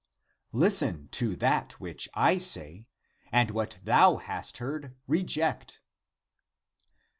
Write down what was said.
Listen to that which I say, and what thou hast heard, reject